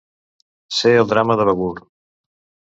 Ser el drama de Begur.